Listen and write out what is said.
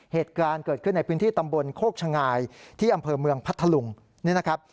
เหตุการณ์เกิดขึ้นในพื้นที่ตำบลโคกชะงายที่อำเภอเมืองพัทธลุงนี่นะครับ